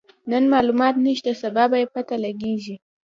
نن مالومات نشته، سبا به يې پته لګيږي.